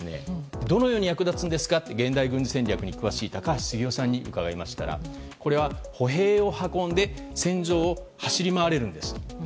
どのように役立つのかというと現代軍事戦略に詳しい高橋杉雄さんに伺いましたらこれは歩兵を運んで戦場を走り回れるんですと。